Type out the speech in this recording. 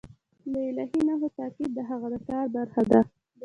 د الهي نښو تعقیب د هغه د کار برخه ده.